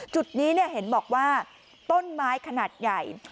จุดนี้เห็นบอกว่าต้นไม้ขนาดใหญ่